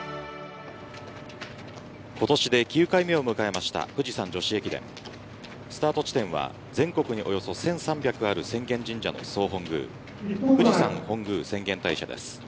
今年で９回目を迎えました富士山女子駅伝スタート地点は全国におよそ１３００ある浅間神社の総本宮富士山本宮浅間大社です。